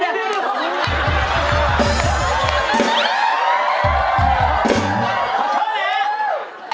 ขอโทษนะ